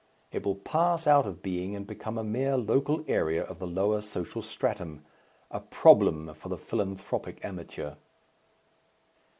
It will pass out of being and become a mere local area of the lower social stratum, a Problem for the philanthropic amateur.